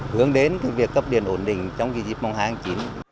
hướng đến việc cấp điện ổn định trong dịp mùng hai tháng chín